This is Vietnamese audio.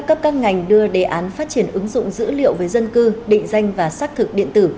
với các cấp các ngành đưa đề án phát triển ứng dụng dữ liệu với dân cư định danh và xác thực điện tử